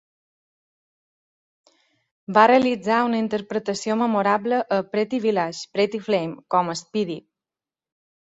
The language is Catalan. Va realitzar una interpretació memorable a "Pretty Village, Pretty Flame", com a Speedy.